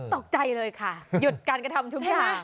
ตกใจเลยค่ะหยุดการกระทำทุกอย่าง